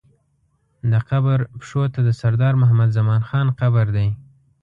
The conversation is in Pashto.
د قبر پښو ته د سردار محمد زمان خان قبر دی.